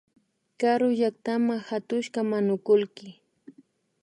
Karu llaktama katushka manukullki